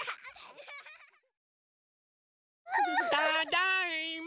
ただいま！